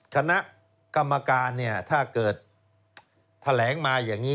คณะกรรมการเนี่ยถ้าเกิดแถลงมาอย่างนี้